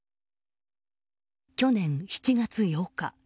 去年７月８日。